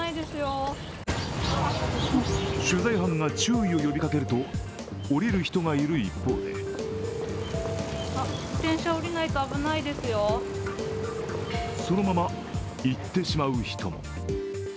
取材班が注意を呼びかけると、降りる人がいる一方でそのまま行ってしまう人も。